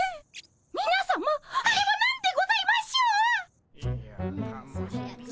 みなさまあれは何でございましょう？